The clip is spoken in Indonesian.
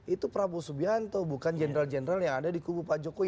itu prabowo subianto bukan general general yang ada di kubu pak jokowi